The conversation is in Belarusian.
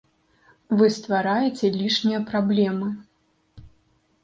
Вы ствараеце лішнія праблемы.